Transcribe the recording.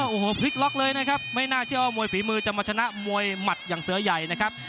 โอ้โหพลิกล็อกเลยนะครับไม่น่าเชื่อว่ามวยฝีมือจะมาชนะมวยหมัดอย่างเสือใหญ่นะครับ